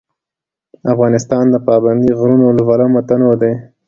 افغانستان د پابندی غرونه له پلوه متنوع دی.